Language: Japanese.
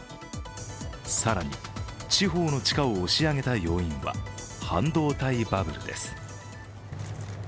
更に地方の地価を押し上げた要因は半導体バブルです。